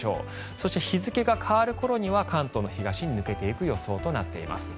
そして、日付が変わる頃には関東の東に抜けていく予想となっています。